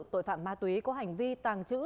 tội phạm ma túy có hành vi tàng trữ